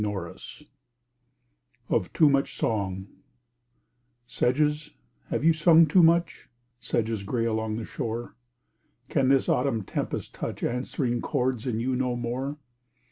NORRIS OF TOO MUCH SONG Sedges, have you sung too much, Sedges gray along the shore? Can this autumn tempest touch Answering chords in you no more?